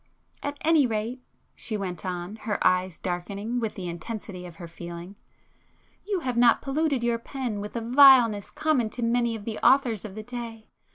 "At any rate,"—she went on, her eyes darkening with the intensity of her feeling—"you have not polluted your pen with the vileness common to many of the authors of the day.